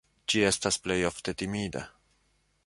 Ĝi estas plej ofte timida.